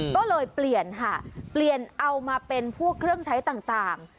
ก็เลยเปลี่ยนค่ะเปลี่ยนเอามาเป็นพวกเครื่องใช้ต่าง